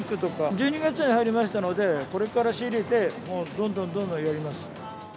１２月に入りましたので、これから仕入れて、もうどんどんどんどんやります。